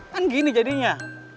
kan gini jadinya